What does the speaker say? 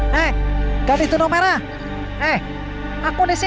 lepas itu dia mencari dan menggunakan kucaci